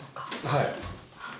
はい。